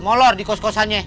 molor di kos kosannya